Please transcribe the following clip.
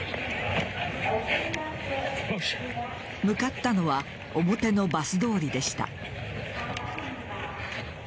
向かったのは表のバス通りでした。